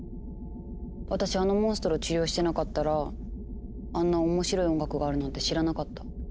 私あのモンストロ治療してなかったらあんな面白い音楽があるなんて知らなかった。